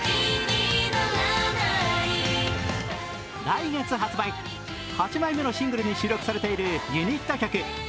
来月発売、８枚目のシングルに収録されているユニット曲。